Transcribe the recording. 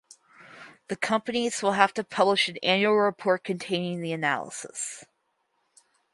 The companies will have to publish an annual report containing the analyses.